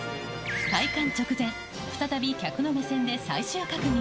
開館直前、再び客の目線で最終確認。